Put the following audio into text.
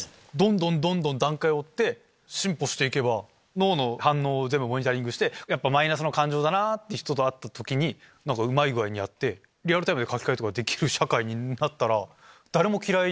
どんどん段階を追って進歩していけば脳の反応を全部モニタリングしてマイナスの感情だなって人と会った時にうまい具合にやってリアルタイムで書き換えができる社会になったら。